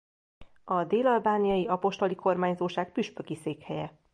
A Dél-albániai apostoli kormányzóság püspöki székhelye.